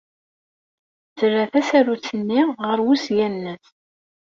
Terra tasarut-nni ɣer wesga-nnes.